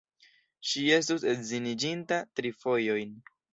Ŝi estus edziniĝinta tri fojojn.